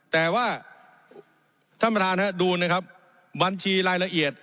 แต่ว่าท่านประธานดูนะครับบัญชีรายละเอียด